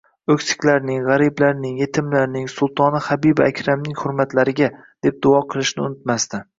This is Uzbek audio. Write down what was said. o'ksiklarning, g'ariblarning, yetimlarning Sultoni Habibi Akramning hurmatlariga....» deb duo qilishni unutmasdi.